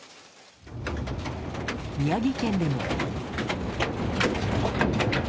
宮城県でも。